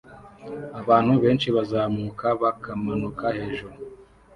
Abantu benshi barazamuka bakamanuka hejuru